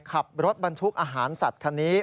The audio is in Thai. ขับรถบรรทุกอาหารสัตว์คันนี้